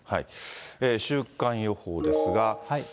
週間予報ですが。